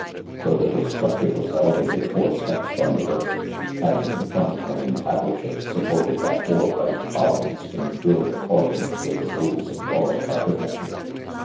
The little structure was elevated four steps from the earth, havin/r in front, an entablature supported by four white cohmms, in good at^ cor dance with the rules of jDnric architecture.